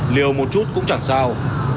liều một chút cũng chẳng sao